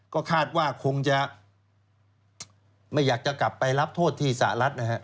ก็คาดว่าคงจะไม่อยากจะกลับไปรับโทษที่สหรัฐนะฮะ